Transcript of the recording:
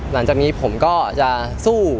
หลังจากนี้ผมก็จะสู้